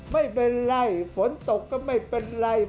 ไม่เป็นไรฝนตกก็ไม่เป็นไร